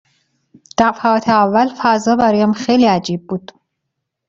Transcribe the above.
دفعات اول فضا برام خیلی عجیب بود.